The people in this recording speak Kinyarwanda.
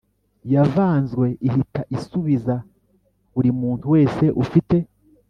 yavanzwe ihita isubiza buri muntu wese ufite